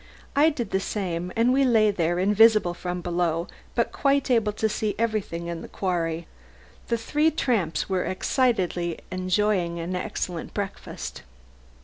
I did the same, and we lay there, invisible from below, but quite able to see everything in the quarry. The three tramps were evidently enjoying an excellent breakfast.